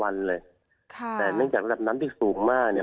แต่เนื่องจากว่าอาจารย์น้ำที่สูงมากเนี่ย